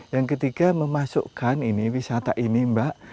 yang ketiga memasukkan ini wisata ini mbak